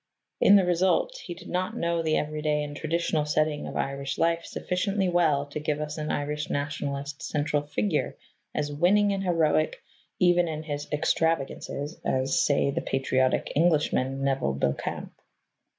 In the result, he did not know the every day and traditional setting of Irish life sufficiently well to give us an Irish Nationalist central figure as winning and heroic, even in his extravagances, as, say, the patriotic Englishman, Neville Beauchamp.